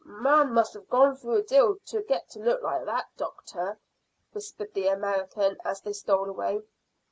"Man must have gone through a deal to get to look like that, doctor," whispered the American, as they stole away.